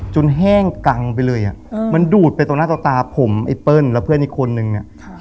แห้งกังไปเลยอ่ะมันดูดไปตรงหน้าต่อตาผมไอ้เปิ้ลแล้วเพื่อนอีกคนนึงเนี่ย